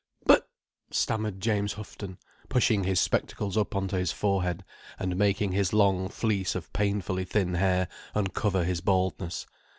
"But—!" stammered James Houghton, pushing his spectacles up on to his forehead, and making his long fleece of painfully thin hair uncover his baldness.